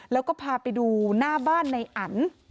แล้วก็พาไปดูหน้าบ้านในอัน